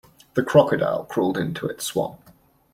The Crocodile crawled into its swamp.